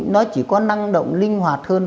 nó chỉ có năng động linh hoạt hơn